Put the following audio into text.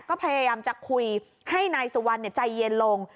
ก็พยายามจะคุยให้นายสุวรรณใจเย็นลง